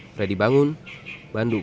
fredy bangun bandung